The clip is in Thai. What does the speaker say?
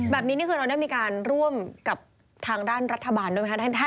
นี่คือเราได้มีการร่วมกับทางด้านรัฐบาลด้วยไหมคะ